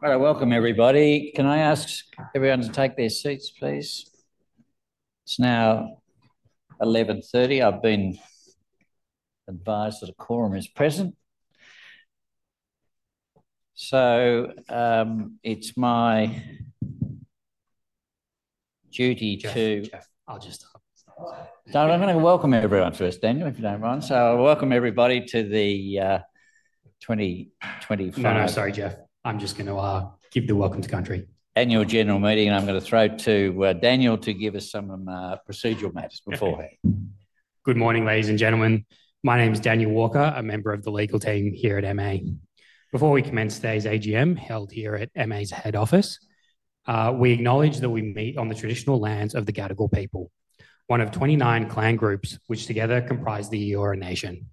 All right, welcome everybody. Can I ask everyone to take their seats, please? It's now 11:30 A.M. I've been advised that a quorum is present. So, it's my duty to. Jeff, I'll just. I'm going to welcome everyone first, Daniel, if you don't mind. So I'll welcome everybody to the 2025. No, no, sorry, Jeff. I'm just going to give the welcome to country. Annual General Meeting, and I'm going to throw to Daniel to give us some procedural matters beforehand. Good morning, ladies and gentlemen. My name is Daniel Walker, a Member of the Legal Team here at MA. Before we commence today's AGM held here at MA's head office, we acknowledge that we meet on the traditional lands of the Gadigal people, one of 29 clan groups which together comprise the Eora Nation.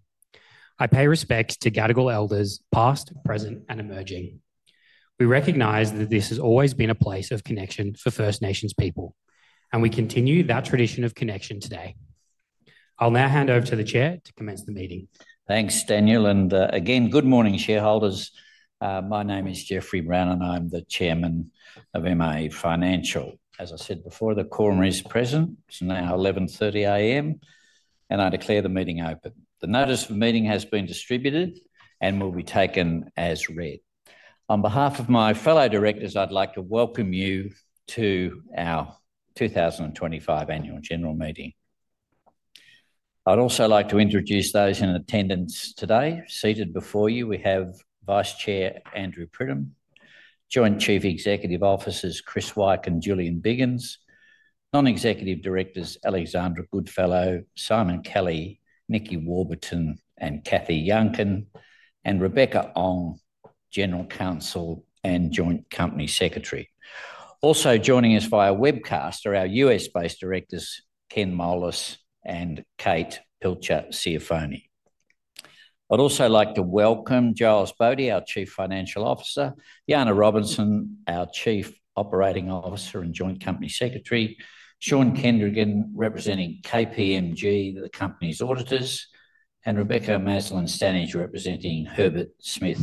I pay respect to Gadigal elders past, present, and emerging. We recognize that this has always been a place of connection for First Nations people, and we continue that tradition of connection today. I'll now hand over to the chair to commence the meeting. Thanks, Daniel. Again, good morning, shareholders. My name is Jeffrey Browne, and I'm the Chairman of MA Financial. As I said before, the quorum is present. It's now 11:30 A.M., and I declare the meeting open. The notice for meeting has been distributed and will be taken as read. On behalf of my fellow directors, I'd like to welcome you to our 2025 Annual General Meeting. I'd also like to introduce those in attendance today. Seated before you, we have Vice Chair Andrew Pridham, Joint Chief Executive Officers Chris Wyke and Julian Biggins, Non-Executive Directors Alexandra Goodfellow, Simon Kelly, Nikki Warburton, and Cathy Yuncken, and Rebecca Ong, General Counsel and Joint Company Secretary. Also joining us via webcast are our U.S.-based directors, [Ken Molas] and Kate Pilcher Ciafone. I'd also like to welcome Giles Boddy, our Chief Financial Officer, Yana Robinson, our Chief Operating Officer and Joint Company Secretary, Shaun Kendrigan representing KPMG, the company's auditors, and Rebecca Maslen-Stannage representing Herbert Smith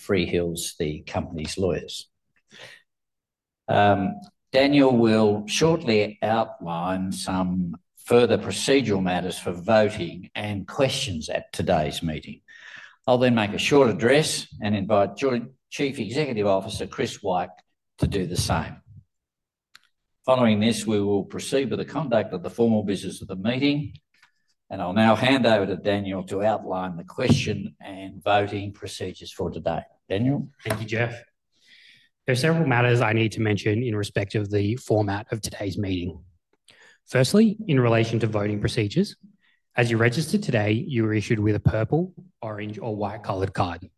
Freehills, the company's lawyers. Daniel will shortly outline some further procedural matters for voting and questions at today's meeting. I'll then make a short address and invite Joint Chief Executive Officer Chris Wyke to do the same. Following this, we will proceed with the conduct of the formal business of the meeting, and I'll now hand over to Daniel to outline the question and voting procedures for today. Daniel? Thank you, Jeff. There are several matters I need to mention in respect of the format of today's meeting. Firstly, in relation to voting procedures, as you registered today, you were issued with a purple, orange, or white-colored card.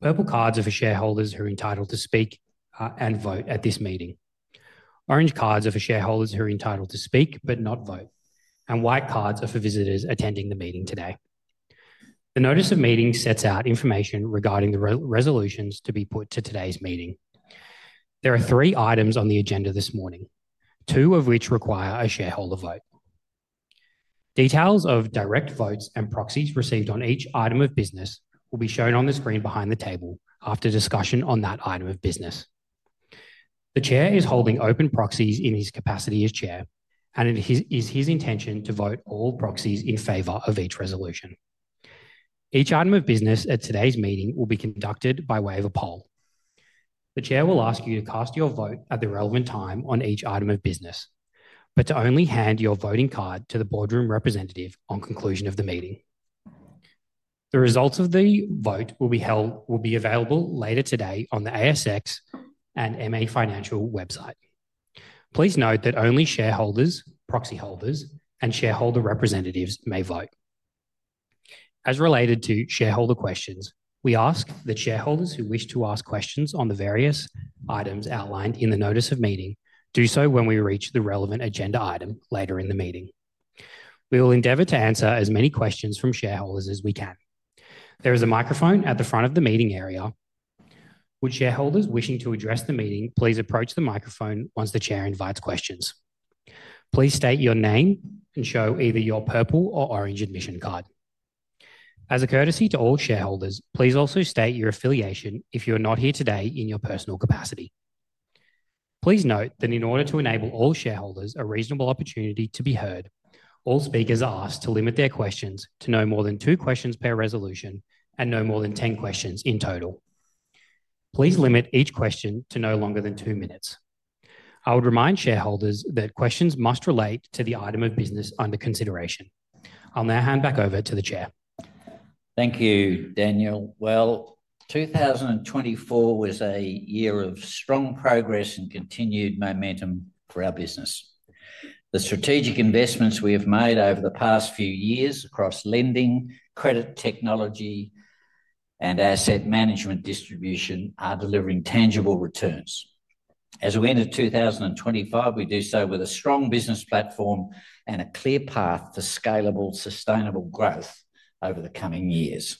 Purple cards are for shareholders who are entitled to speak and vote at this meeting. Orange cards are for shareholders who are entitled to speak but not vote, and white cards are for visitors attending the meeting today. The notice of meeting sets out information regarding the resolutions to be put to today's meeting. There are three items on the agenda this morning, two of which require a shareholder vote. Details of direct votes and proxies received on each item of business will be shown on the screen behind the table after discussion on that item of business. The chair is holding open proxies in his capacity as chair, and it is his intention to vote all proxies in favor of each resolution. Each item of business at today's meeting will be conducted by way of a poll. The chair will ask you to cast your vote at the relevant time on each item of business, but to only hand your voting card to the boardroom representative on conclusion of the meeting. The results of the vote will be available later today on the ASX and MA Financial website. Please note that only shareholders, proxy holders, and shareholder representatives may vote. As related to shareholder questions, we ask that shareholders who wish to ask questions on the various items outlined in the notice of meeting do so when we reach the relevant agenda item later in the meeting. We will endeavour to answer as many questions from shareholders as we can. There is a microphone at the front of the meeting area. Would shareholders wishing to address the meeting please approach the microphone once the chair invites questions? Please state your name and show either your purple or orange admission card. As a courtesy to all shareholders, please also state your affiliation if you are not here today in your personal capacity. Please note that in order to enable all shareholders a reasonable opportunity to be heard, all speakers are asked to limit their questions to no more than two questions per resolution and no more than ten questions in total. Please limit each question to no longer than two minutes. I would remind shareholders that questions must relate to the item of business under consideration. I'll now hand back over to the chair. Thank you, Daniel. 2024 was a year of strong progress and continued momentum for our business. The strategic investments we have made over the past few years across lending, credit technology, and asset management distribution are delivering tangible returns. As we enter 2025, we do so with a strong business platform and a clear path for scalable, sustainable growth over the coming years.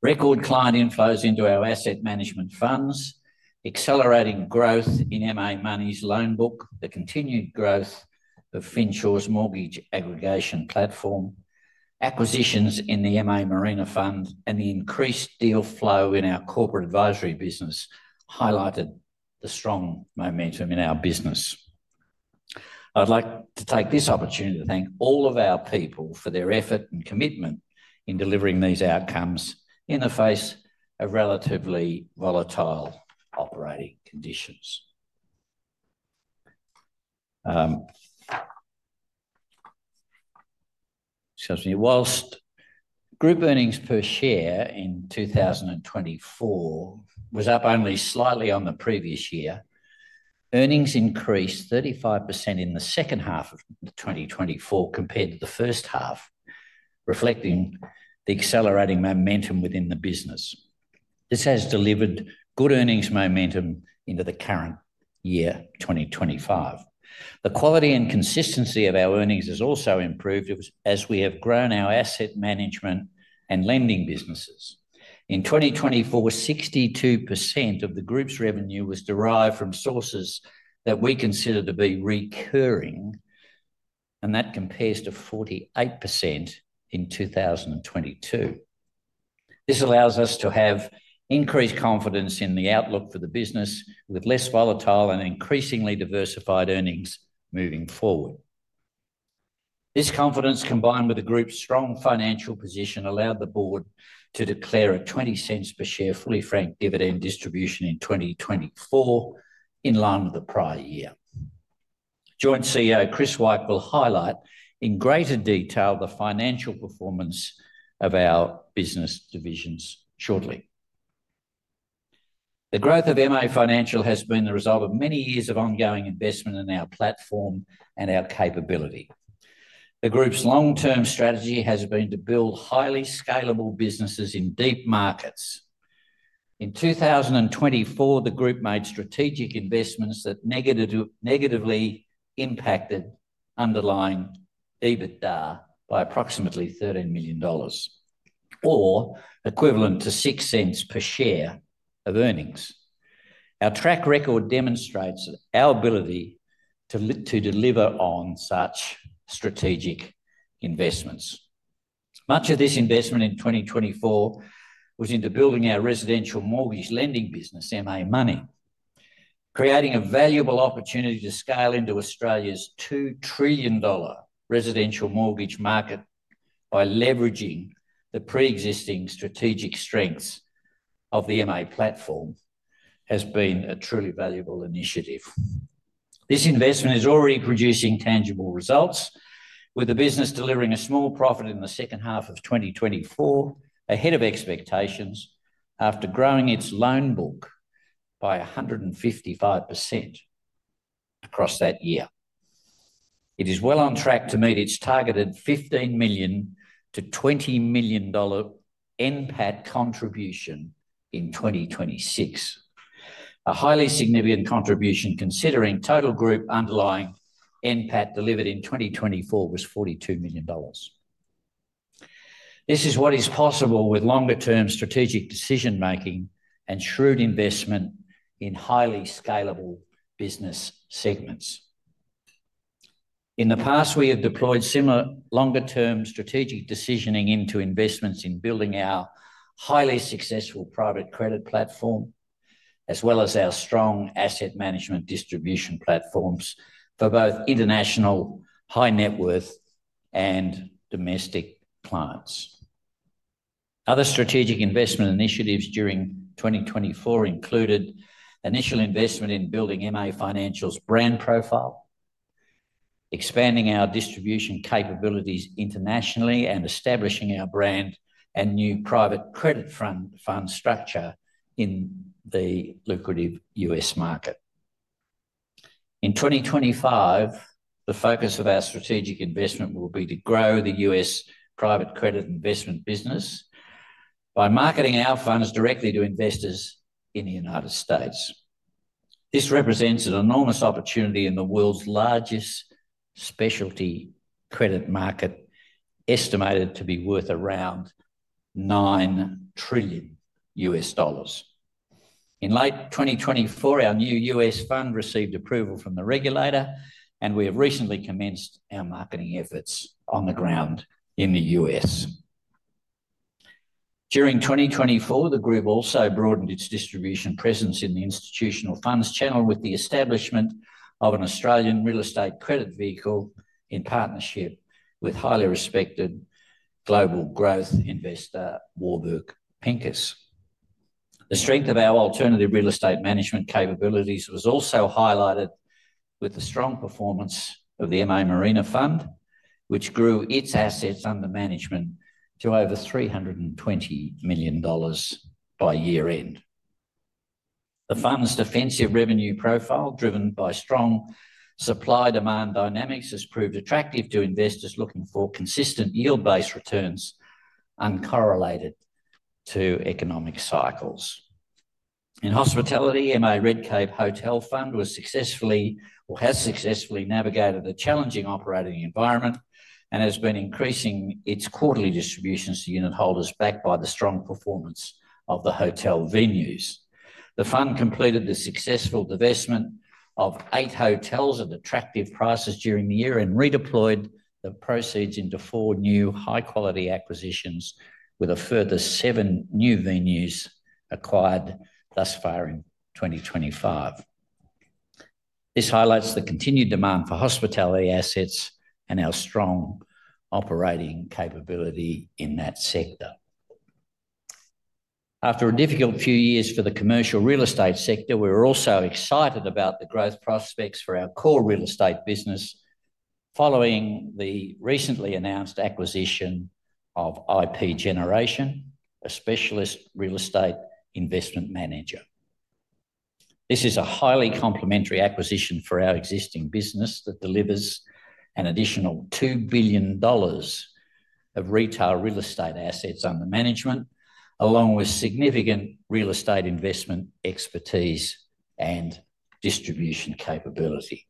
Record client inflows into our asset management funds, accelerating growth in MA Money's loan book, the continued growth of Finsure's mortgage aggregation platform, acquisitions in the MA Marina Fund, and the increased deal flow in our corporate advisory business highlighted the strong momentum in our business. I'd like to take this opportunity to thank all of our people for their effort and commitment in delivering these outcomes in the face of relatively volatile operating conditions. Excuse me. Whilst group earnings per share in 2024 was up only slightly on the previous year, earnings increased 35% in the second half of 2024 compared to the first half, reflecting the accelerating momentum within the business. This has delivered good earnings momentum into the current year, 2025. The quality and consistency of our earnings has also improved as we have grown our asset management and lending businesses. In 2024, 62% of the group's revenue was derived from sources that we consider to be recurring, and that compares to 48% in 2022. This allows us to have increased confidence in the outlook for the business, with less volatile and increasingly diversified earnings moving forward. This confidence, combined with the group's strong financial position, allowed the board to declare a 0.20 fully franked dividend distribution in 2024 in line with the prior year. Joint CEO Chris Wyke will highlight in greater detail the financial performance of our business divisions shortly. The growth of MA Financial has been the result of many years of ongoing investment in our platform and our capability. The group's long-term strategy has been to build highly scalable businesses in deep markets. In 2024, the group made strategic investments that negatively impacted underlying EBITDA by approximately 13 million dollars, or equivalent to 0.06 per share of earnings. Our track record demonstrates our ability to deliver on such strategic investments. Much of this investment in 2024 was into building our residential mortgage lending business, MA Money. Creating a valuable opportunity to scale into Australia's 2 trillion dollar residential mortgage market by leveraging the pre-existing strategic strengths of the MA Platform has been a truly valuable initiative. This investment is already producing tangible results, with the business delivering a small profit in the second half of 2024 ahead of expectations after growing its loan book by 155% across that year. It is well on track to meet its targeted 15 million-20 million dollar NPAT contribution in 2026, a highly significant contribution considering total group underlying NPAT delivered in 2024 was 42 million dollars. This is what is possible with longer-term strategic decision-making and shrewd investment in highly scalable business segments. In the past, we have deployed similar longer-term strategic decisioning into investments in building our highly successful private credit platform, as well as our strong asset management distribution platforms for both international high-net-worth and domestic clients. Other strategic investment initiatives during 2024 included initial investment in building MA Financial's brand profile, expanding our distribution capabilities internationally, and establishing our brand and new private credit fund structure in the lucrative U.S. market. In 2025, the focus of our strategic investment will be to grow the U.S. private credit investment business by marketing our funds directly to investors in the U.S. This represents an enormous opportunity in the world's largest specialty credit market, estimated to be worth around $9 trillion. In late 2024, our new U.S. fund received approval from the regulator, and we have recently commenced our marketing efforts on the ground in the U.S. During 2024, the group also broadened its distribution presence in the institutional funds channel with the establishment of an Australian real estate credit vehicle in partnership with highly respected global growth investor Warburg Pincus. The strength of our alternative real estate management capabilities was also highlighted with the strong performance of the MA Marina Fund, which grew its assets under management to over 320 million dollars by year-end. The fund's defensive revenue profile, driven by strong supply-demand dynamics, has proved attractive to investors looking for consistent yield-based returns uncorrelated to economic cycles. In hospitality, MA Redcape Hotel Fund has successfully navigated a challenging operating environment and has been increasing its quarterly distributions to unit holders backed by the strong performance of the hotel venues. The fund completed the successful divestment of eight hotels at attractive prices during the year and redeployed the proceeds into four new high-quality acquisitions, with a further seven new venues acquired thus far in 2025. This highlights the continued demand for hospitality assets and our strong operating capability in that sector. After a difficult few years for the commercial real estate sector, we were also excited about the growth prospects for our core real estate business following the recently announced acquisition of IP Generation, a specialist real estate investment manager. This is a highly complementary acquisition for our existing business that delivers an additional 2 billion dollars of retail real estate assets under management, along with significant real estate investment expertise and distribution capability.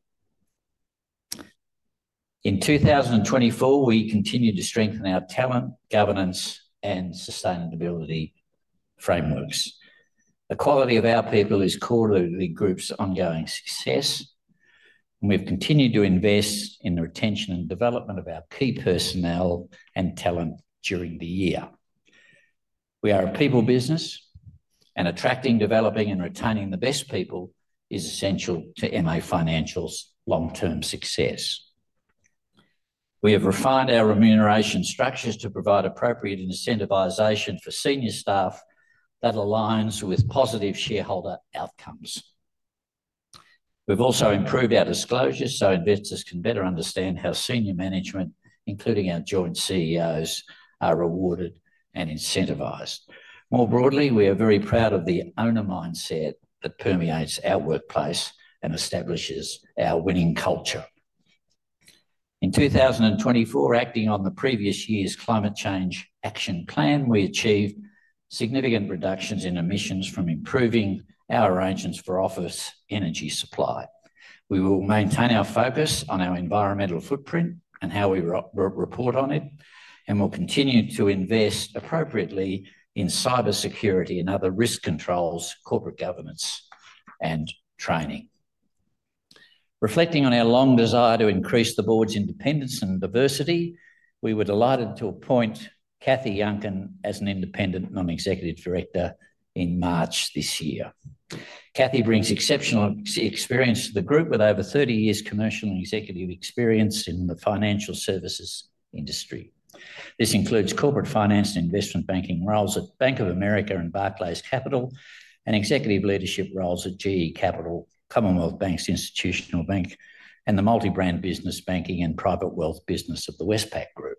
In 2024, we continue to strengthen our talent, governance, and sustainability frameworks. The quality of our people is core to the group's ongoing success, and we've continued to invest in the retention and development of our key personnel and talent during the year. We are a people business, and attracting, developing, and retaining the best people is essential to MA Financial's long-term success. We have refined our remuneration structures to provide appropriate incentivization for senior staff that aligns with positive shareholder outcomes. We've also improved our disclosures so investors can better understand how senior management, including our Joint CEOs, are rewarded and incentivized. More broadly, we are very proud of the owner mindset that permeates our workplace and establishes our winning culture. In 2024, acting on the previous year's climate change action plan, we achieved significant reductions in emissions from improving our arrangements for office energy supply. We will maintain our focus on our environmental footprint and how we report on it, and we'll continue to invest appropriately in cybersecurity and other risk controls, corporate governance, and training. Reflecting on our long desire to increase the board's independence and diversity, we were delighted to appoint Cathy Yuncken as an independent Non-Executive Director in March this year. Cathy brings exceptional experience to the group with over 30 years' commercial and executive experience in the financial services industry. This includes corporate finance and investment banking roles at Bank of America and Barclays Capital, and executive leadership roles at GE Capital, Commonwealth Bank's Institutional Bank, and the multi-brand business banking and private wealth business of the Westpac Group.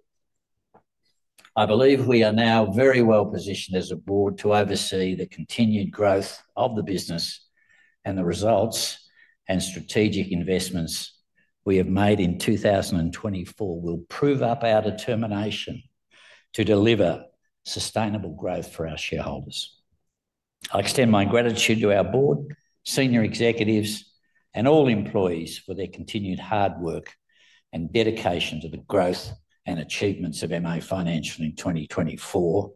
I believe we are now very well positioned as a board to oversee the continued growth of the business, and the results and strategic investments we have made in 2024 will prove up our determination to deliver sustainable growth for our shareholders. I extend my gratitude to our board, senior executives, and all employees for their continued hard work and dedication to the growth and achievements of MA Financial in 2024,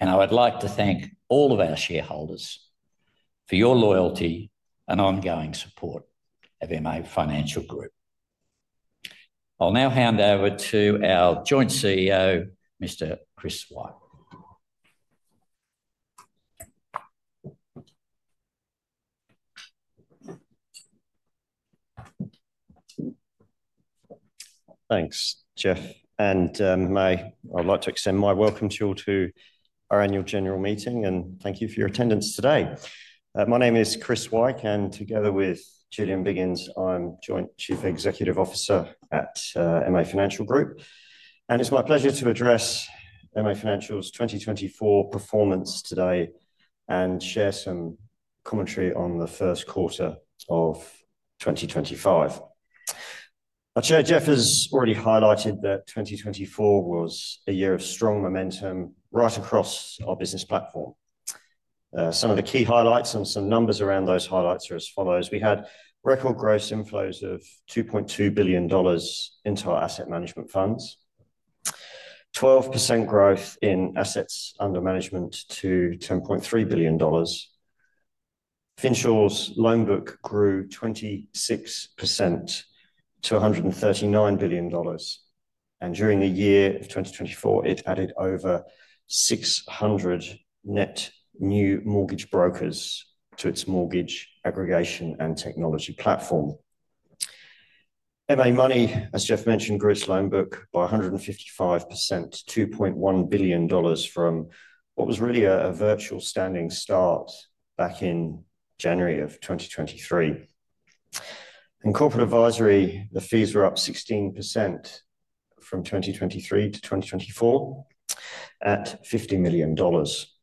and I would like to thank all of our shareholders for your loyalty and ongoing support of MA Financial Group. I'll now hand over to our Joint CEO, Mr. Chris Wyke. Thanks, Jeff. I would like to extend my welcome to you all to our annual general meeting, and thank you for your attendance today. My name is Chris Wyke, and together with Julian Biggins, I am Joint Chief Executive Officer at MA Financial Group. It is my pleasure to address MA Financial's 2024 performance today and share some commentary on the first quarter of 2025. I will share Jeff has already highlighted that 2024 was a year of strong momentum right across our business platform. Some of the key highlights and some numbers around those highlights are as follows. We had record growth inflows of 2.2 billion dollars into our asset management funds, 12% growth in assets under management to 10.3 billion dollars. Finsure's loan book grew 26% to 139 billion dollars, and during the year of 2024, it added over 600 net new mortgage brokers to its mortgage aggregation and technology platform. MA Money, as Jeff mentioned, grew its loan book by 155%, 2.1 billion dollars from what was really a virtual standing start back in January of 2023. In corporate advisory, the fees were up 16% from 2023-2024 at 50 million dollars.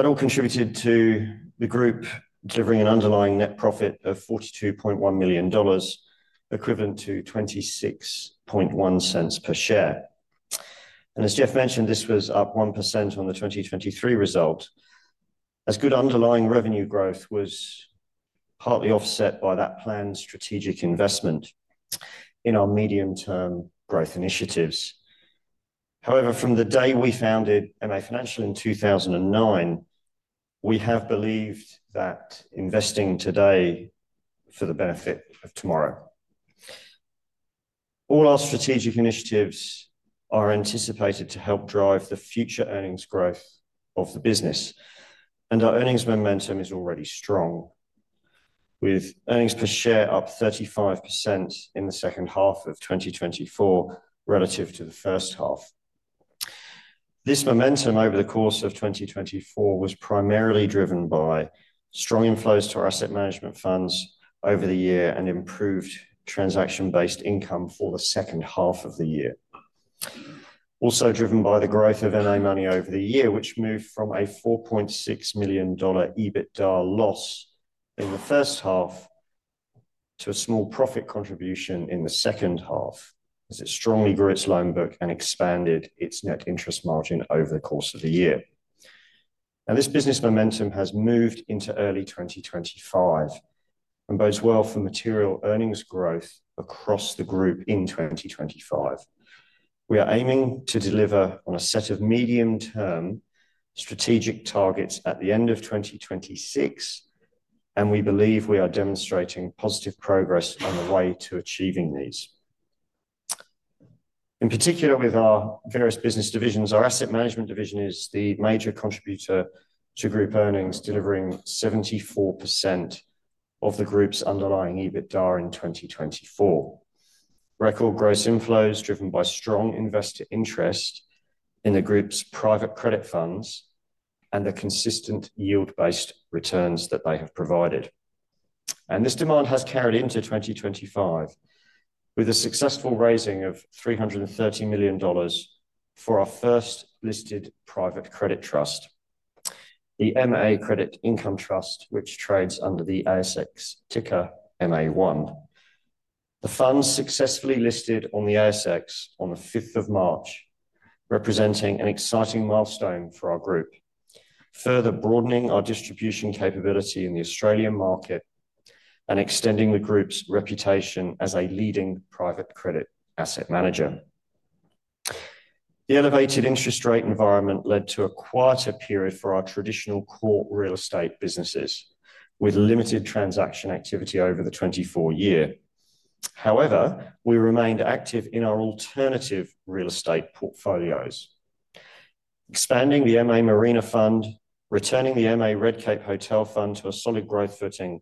That all contributed to the group delivering an underlying net profit of 42.1 million dollars, equivalent to 26.01 per share. As Jeff mentioned, this was up 1% on the 2023 result, as good underlying revenue growth was partly offset by that planned strategic investment in our medium-term growth initiatives. However, from the day we founded MA Financial in 2009, we have believed that investing today for the benefit of tomorrow. All our strategic initiatives are anticipated to help drive the future earnings growth of the business, and our earnings momentum is already strong, with earnings per share up 35% in the second half of 2024 relative to the first half. This momentum over the course of 2024 was primarily driven by strong inflows to our asset management funds over the year and improved transaction-based income for the second half of the year. Also driven by the growth of MA Money over the year, which moved from a 4.6 million dollar EBITDA loss in the first half to a small profit contribution in the second half as it strongly grew its loan book and expanded its net interest margin over the course of the year. Now, this business momentum has moved into early 2025 and bodes well for material earnings growth across the group in 2025. We are aiming to deliver on a set of medium-term strategic targets at the end of 2026, and we believe we are demonstrating positive progress on the way to achieving these. In particular, with our various business divisions, our asset management division is the major contributor to group earnings, delivering 74% of the group's underlying EBITDA in 2024. Record growth inflows driven by strong investor interest in the group's private credit funds and the consistent yield-based returns that they have provided. This demand has carried into 2025 with a successful raising of 330 million dollars for our first listed private credit trust, the MA Credit Income Trust, which trades under the ASX:MA1. The funds successfully listed on the ASX on the 5th of March, representing an exciting milestone for our group, further broadening our distribution capability in the Australian market and extending the group's reputation as a leading private credit asset manager. The elevated interest rate environment led to a quieter period for our traditional core real estate businesses, with limited transaction activity over the 24 year. However, we remained active in our alternative real estate portfolios, expanding the MA Marina Fund, returning the MA Redcape Hotel Fund to a solid growth footing,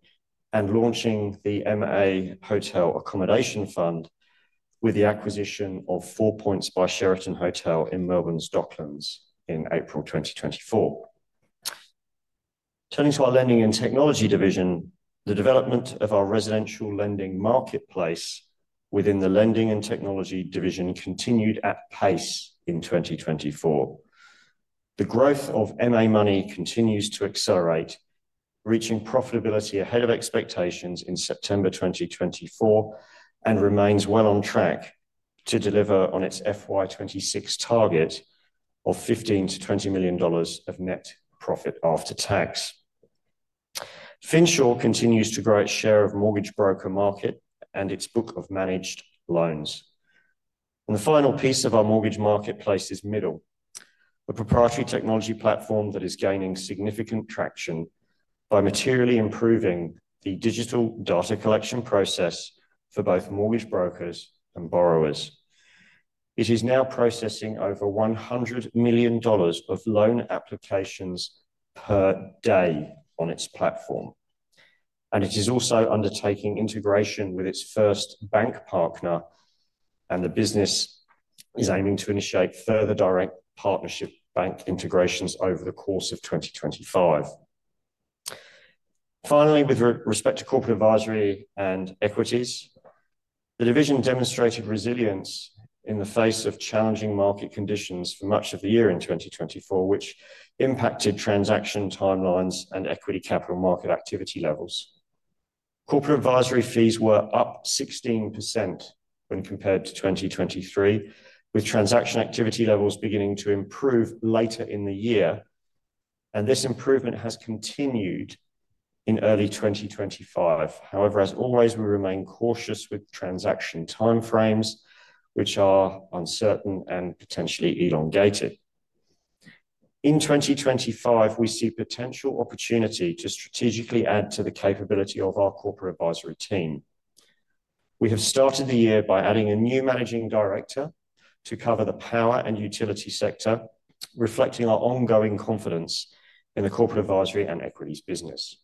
and launching the MA Hotel Accommodation Fund with the acquisition of Four Points by Sheraton Hotel in Melbourne's Docklands in April 2024. Turning to our lending and technology division, the development of our residential lending marketplace within the lending and technology division continued at pace in 2024. The growth of MA Money continues to accelerate, reaching profitability ahead of expectations in September 2024 and remains well on track to deliver on its FY26 target of 15 million-20 million dollars of net profit after tax. Finsure continues to grow its share of mortgage broker market and its book of managed loans. The final piece of our mortgage marketplace is Middle, a proprietary technology platform that is gaining significant traction by materially improving the digital data collection process for both mortgage brokers and borrowers. It is now processing over 100 million dollars of loan applications per day on its platform, and it is also undertaking integration with its first bank partner, and the business is aiming to initiate further direct partnership bank integrations over the course of 2025. Finally, with respect to corporate advisory and equities, the division demonstrated resilience in the face of challenging market conditions for much of the year in 2024, which impacted transaction timelines and equity capital market activity levels. Corporate advisory fees were up 16% when compared to 2023, with transaction activity levels beginning to improve later in the year, and this improvement has continued in early 2025. However, as always, we remain cautious with transaction timeframes, which are uncertain and potentially elongated. In 2025, we see potential opportunity to strategically add to the capability of our corporate advisory team. We have started the year by adding a new Managing Director to cover the power and utility sector, reflecting our ongoing confidence in the corporate advisory and equities business.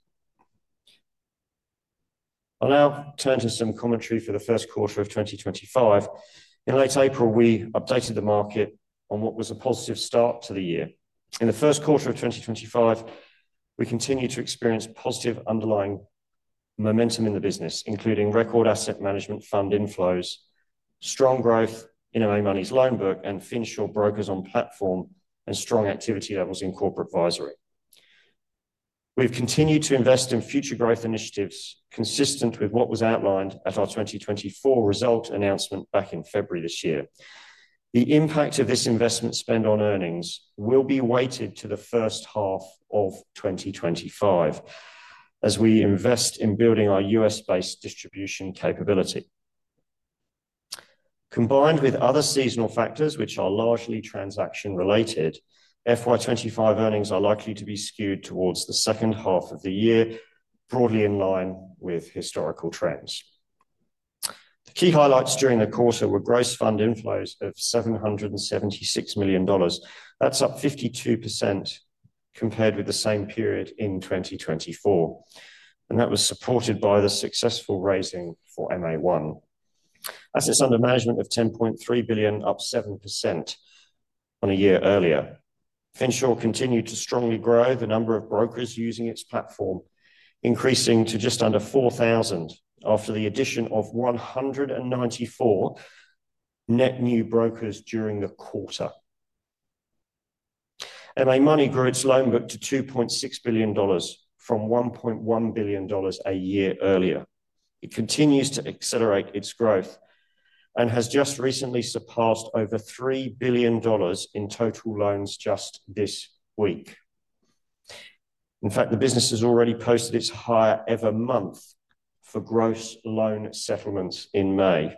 I'll now turn to some commentary for the first quarter of 2025. In late April, we updated the market on what was a positive start to the year. In the first quarter of 2025, we continue to experience positive underlying momentum in the business, including record asset management fund inflows, strong growth in MA Money's loan book, and Finsure brokers on platform and strong activity levels in corporate advisory. We've continued to invest in future growth initiatives consistent with what was outlined at our 2024 result announcement back in February this year. The impact of this investment spend on earnings will be weighted to the first half of 2025 as we invest in building our U.S.-based distribution capability. Combined with other seasonal factors, which are largely transaction-related, FY25 earnings are likely to be skewed towards the second half of the year, broadly in line with historical trends. The key highlights during the quarter were gross fund inflows of 776 million dollars. That's up 52% compared with the same period in 2024, and that was supported by the successful raising for MA1. Assets under management of 10.3 billion, up 7% on a year earlier. Finsure continued to strongly grow the number of brokers using its platform, increasing to just under 4,000 after the addition of 194 net new brokers during the quarter. MA Money grew its loan book to 2.6 billion dollars from 1.1 billion dollars a year earlier. It continues to accelerate its growth and has just recently surpassed over 3 billion dollars in total loans just this week. In fact, the business has already posted its highest ever month for gross loan settlements in May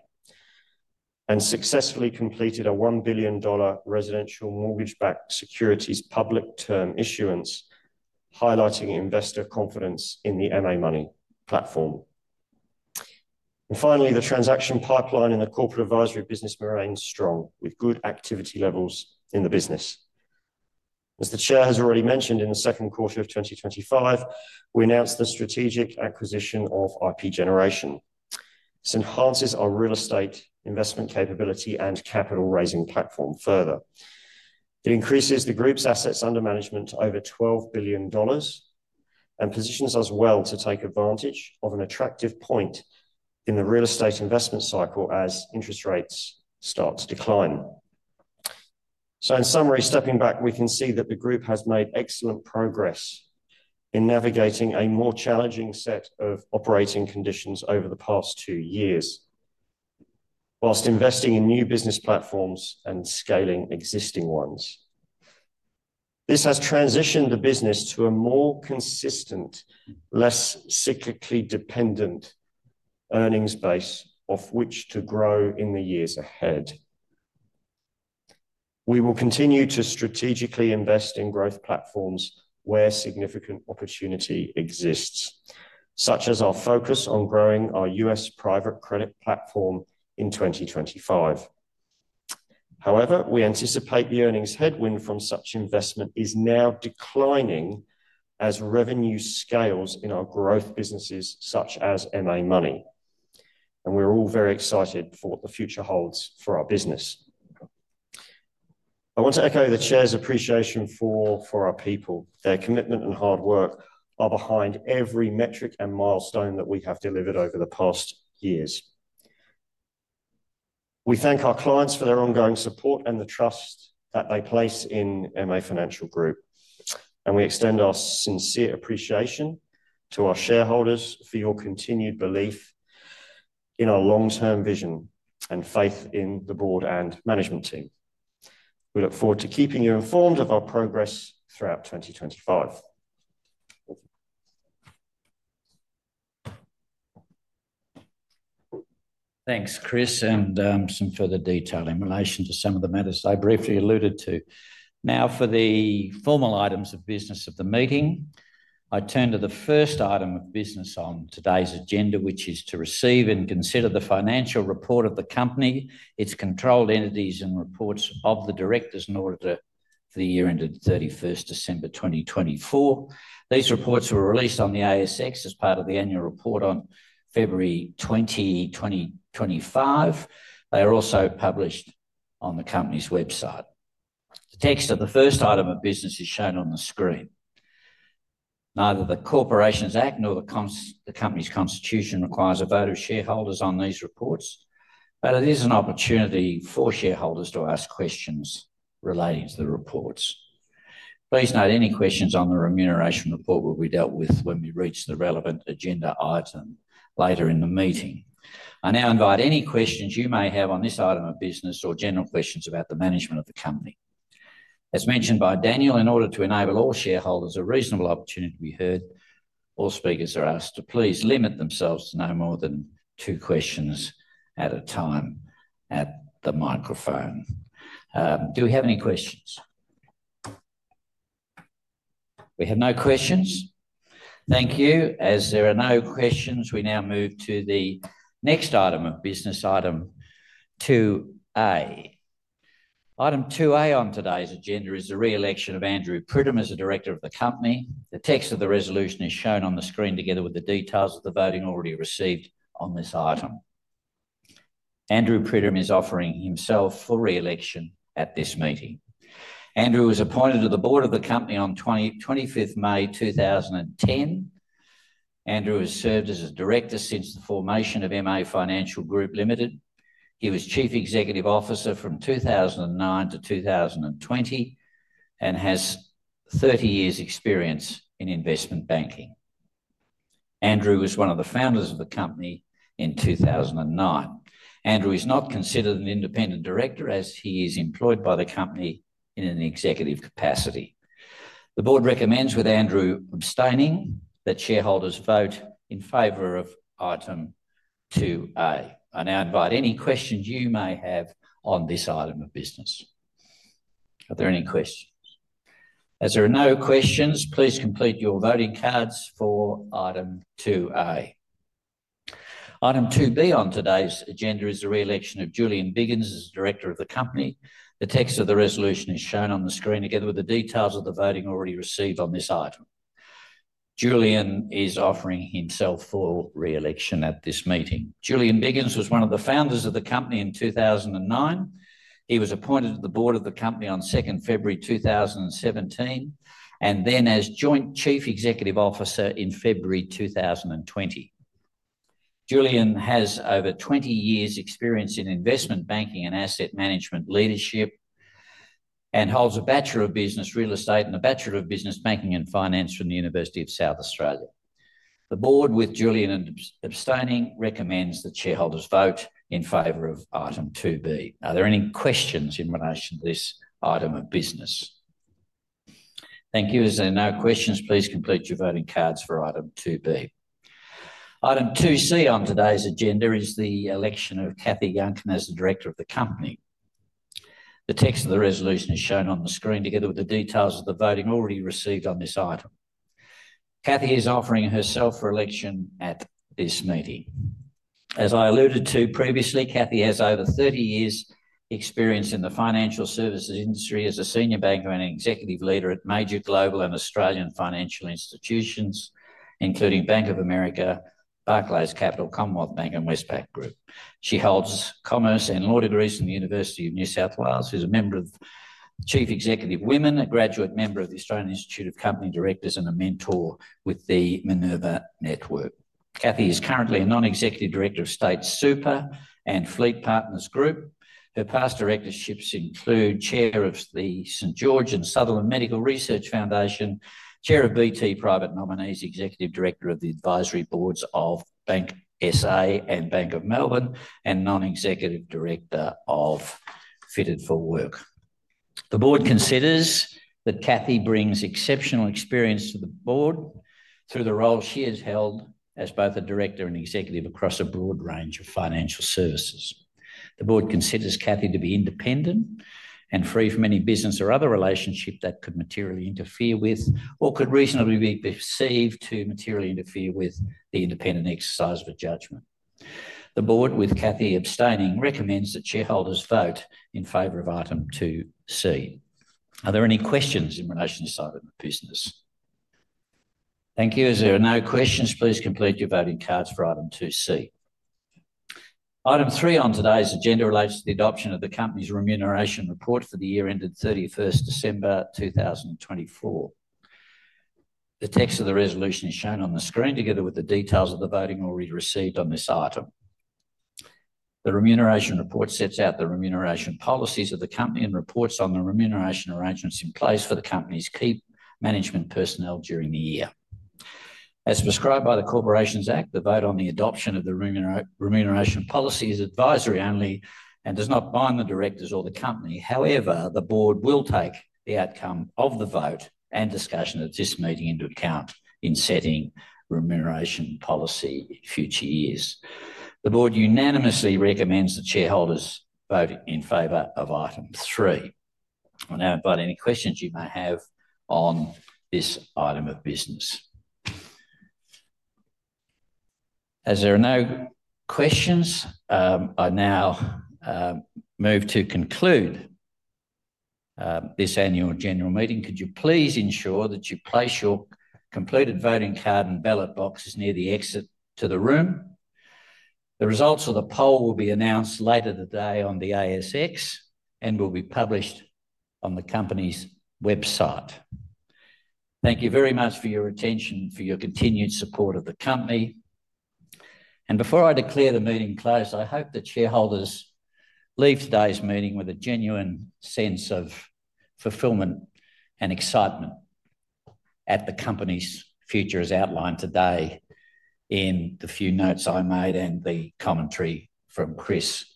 and successfully completed a 1 billion dollar residential mortgage-backed securities public term issuance, highlighting investor confidence in the MA Money platform. Finally, the transaction pipeline in the corporate advisory business remains strong, with good activity levels in the business. As the Chair has already mentioned, in the second quarter of 2025, we announced the strategic acquisition of IP Generation. This enhances our real estate investment capability and capital raising platform further. It increases the group's assets under management to over 12 billion dollars and positions us well to take advantage of an attractive point in the real estate investment cycle as interest rates start to decline. In summary, stepping back, we can see that the group has made excellent progress in navigating a more challenging set of operating conditions over the past two years, whilst investing in new business platforms and scaling existing ones. This has transitioned the business to a more consistent, less cyclically dependent earnings base off which to grow in the years ahead. We will continue to strategically invest in growth platforms where significant opportunity exists, such as our focus on growing our U.S. private credit platform in 2025. However, we anticipate the earnings headwind from such investment is now declining as revenue scales in our growth businesses such as MA Money, and we're all very excited for what the future holds for our business. I want to echo the Chair's appreciation for our people. Their commitment and hard work are behind every metric and milestone that we have delivered over the past years. We thank our clients for their ongoing support and the trust that they place in MA Financial Group, and we extend our sincere appreciation to our shareholders for your continued belief in our long-term vision and faith in the board and management team. We look forward to keeping you informed of our progress throughout 2025. Thanks, Chris, and some further detail in relation to some of the matters I briefly alluded to. Now, for the formal items of business of the meeting, I turn to the first item of business on today's agenda, which is to receive and consider the financial report of the company, its controlled entities, and reports of the directors in order to. The year ended 31st December 2024. These reports were released on the ASX as part of the annual report on February 20, 2025. They are also published on the company's website. The text of the first item of business is shown on the screen. Neither the Corporations Act nor the company's constitution requires a vote of shareholders on these reports, but it is an opportunity for shareholders to ask questions relating to the reports. Please note any questions on the remuneration report will be dealt with when we reach the relevant agenda item later in the meeting. I now invite any questions you may have on this item of business or general questions about the management of the company. As mentioned by Daniel, in order to enable all shareholders a reasonable opportunity to be heard, all speakers are asked to please limit themselves to no more than two questions at a time at the microphone. Do we have any questions? We have no questions? Thank you. As there are no questions, we now move to the next item of business, item 2A. Item 2A on today's agenda is the reelection of Andrew Pridham as a Director of the company. The text of the resolution is shown on the screen together with the details of the voting already received on this item. Andrew Pridham is offering himself for reelection at this meeting. Andrew was appointed to the board of the company on 25th May 2010. Andrew has served as a director since the formation of MA Financial Group Limited. He was Chief Executive Officer from 2009-2020 and has 30 years' experience in investment banking. Andrew was one of the founders of the company in 2009. Andrew is not considered an independent director as he is employed by the company in an executive capacity. The board recommends, with Andrew abstaining, that shareholders vote in favor of item 2A. I now invite any questions you may have on this item of business. Are there any questions? As there are no questions, please complete your voting cards for item 2A. Item 2B on today's agenda is the reelection of Julian Biggins as director of the company. The text of the resolution is shown on the screen together with the details of the voting already received on this item. Julian is offering himself for reelection at this meeting. Julian Biggins was one of the Founders of the company in 2009. He was appointed to the Board of the company on 2nd February 2017 and then as Joint Chief Executive Officer in February 2020. Julian has over 20 years' experience in Investment Banking and Asset Management Leadership and holds a Bachelor of Business Real Estate and a Bachelor of Business Banking and Finance from the University of South Australia. The board, with Julian abstaining, recommends that shareholders vote in favor of item 2B. Are there any questions in relation to this item of business? Thank you. As there are no questions, please complete your voting cards for item 2B. Item 2C on today's agenda is the election of Cathy Yuncken as the Director of the company. The text of the resolution is shown on the screen together with the details of the voting already received on this item. Cathy is offering herself for election at this meeting. As I alluded to previously, Cathy has over 30 years' experience in the Financial Services industry as a Senior Banker and Executive Leader at Major Global and Australian Financial Institutions, including Bank of America, Barclays Capital, Commonwealth Bank, and Westpac Group. She holds Commerce and Law degrees from the University of New South Wales. She's a member of Chief Executive Women, a graduate member of the Australian Institute of Company Directors, and a mentor with the Minerva Network. Cathy is currently a Non-Executive Director of State Super and Fleet Partners Group. Her past directorships include Chair of the St. George & Sutherland Medical Research Foundation, Chair of BT Private Nominees, Executive Director of the Advisory Boards of BankSA and Bank of Melbourne, and Non-Executive Director of Fitted for Work. The board considers that Cathy brings exceptional experience to the board through the role she has held as both a director and executive across a broad range of financial services. The board considers Cathy to be independent and free from any business or other relationship that could materially interfere with or could reasonably be perceived to materially interfere with the independent exercise of a judgment. The board, with Cathy abstaining, recommends that shareholders vote in favor of item 2C. Are there any questions in relation to this item of business? Thank you. As there are no questions, please complete your voting cards for item 2C. Item 3 on today's agenda relates to the adoption of the company's remuneration report for the year ended 31st December 2024. The text of the resolution is shown on the screen together with the details of the voting already received on this item. The remuneration report sets out the remuneration policies of the company and reports on the remuneration arrangements in place for the company's key management personnel during the year. As prescribed by the Corporations Act, the vote on the adoption of the remuneration policy is advisory only and does not bind the directors or the company. However, the board will take the outcome of the vote and discussion at this meeting into account in setting remuneration policy for future years. The board unanimously recommends that shareholders vote in favor of item 3. I now invite any questions you may have on this item of business. As there are no questions, I now move to conclude this annual general meeting. Could you please ensure that you place your completed voting card and ballot boxes near the exit to the room? The results of the poll will be announced later today on the ASX and will be published on the company's website. Thank you very much for your attention and for your continued support of the company. Before I declare the meeting closed, I hope that shareholders leave today's meeting with a genuine sense of fulfillment and excitement at the company's future as outlined today in the few notes I made and the commentary from Chris.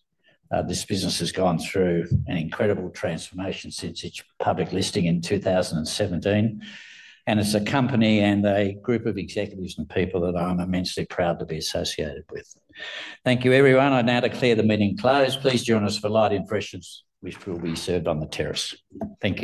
This business has gone through an incredible transformation since its public listing in 2017, and it's a company and a group of executives and people that I'm immensely proud to be associated with. Thank you, everyone. I now declare the meeting closed. Please join us for light refreshments, which will be served on the terrace. Thank you.